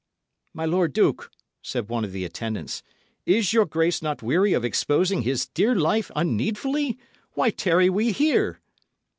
"My lord duke," said one of his attendants, "is your grace not weary of exposing his dear life unneedfully? Why tarry we here?"